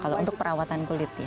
untuk perawatan kulit ya